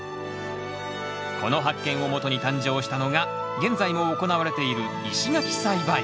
この発見をもとに誕生したのが現在も行われている石垣栽培。